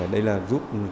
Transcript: đây là giúp